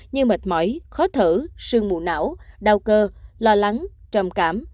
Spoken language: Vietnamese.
như mệt mỏi khó thở sương mù não đau cơ lo lắng trầm cảm